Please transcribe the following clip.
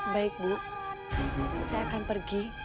baik bu saya akan pergi